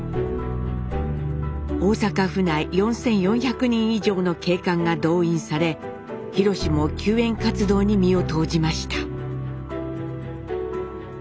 大阪府内４，４００人以上の警官が動員され廣も救援活動に身を投じました。